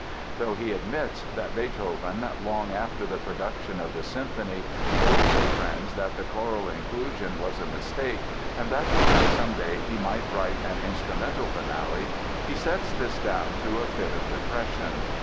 Though he admits that Beethoven, long after the production of the symphony, told some friends that the choral inclusion was a mistake and that perhaps some day he might write an instrumental Finale, he sets this down to a fit of depression.